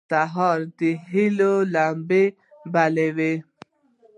سهار د هيلو لمبه بلوي.